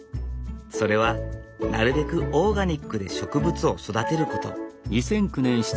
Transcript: それはなるべくオーガニックで植物を育てること。